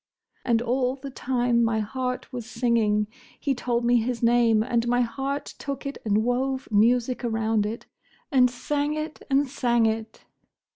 And all the time my heart was singing!—He told me his name; and my heart took it and wove music around it, and sang it! and sang it!"